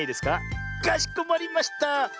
かしこまりました。